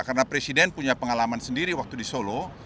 karena presiden punya pengalaman sendiri waktu di solo